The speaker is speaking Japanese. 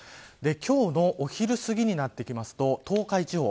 今日のお昼すぎになってくると東海地方